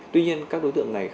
tuy nhiên các đối tượng này